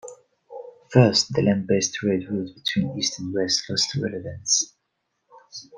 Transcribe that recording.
First, the land based trade route between east and west lost relevance.